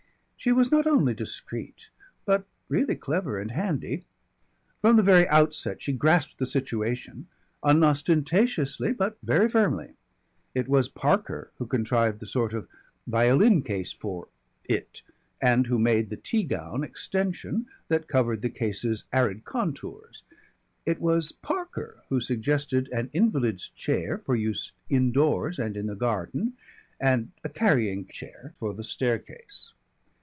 She was not only discreet but really clever and handy. From the very outset she grasped the situation, unostentatiously but very firmly. It was Parker who contrived the sort of violin case for It, and who made the tea gown extension that covered the case's arid contours. It was Parker who suggested an invalid's chair for use indoors and in the garden, and a carrying chair for the staircase.